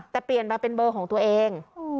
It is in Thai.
แต่เปลี่ยนมาเป็นเบอร์ของตัวเอง